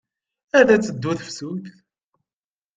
Ad teddu tefsut.